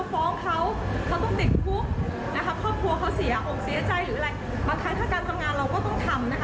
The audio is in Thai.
บางครั้งถ้าการกำงานเราก็ต้องทำ